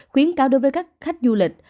khuyến cáo đối với các khách du lịch